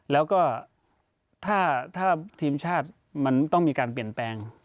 แล้วก็ถ้าทีมชาติมันต้องมีการเปลี่ยนแปลง